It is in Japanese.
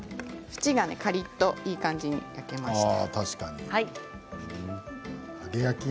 縁がカリっといい感じに焼けました。